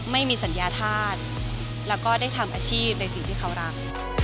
ไม่มีสัญญาธาตุแล้วก็ได้ทำอาชีพในสิ่งที่เขารัก